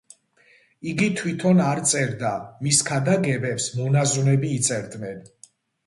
იგი თვითონ არ წერდა, მის ქადაგებებს მონაზვნები იწერდნენ.